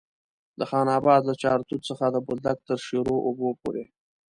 د خان اباد له چارتوت څخه د بولدک تر شیرو اوبو پورې.